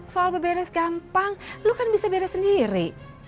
soal berberes gampang lo kan bisa beres sendiri